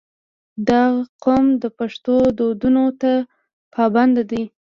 • دا قوم د پښتو دودونو ته پابند دی.